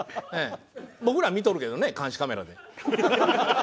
僕らは見とるけどね監視カメラで。